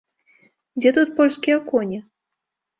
Дзе тут польскія коні?